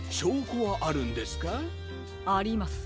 あります。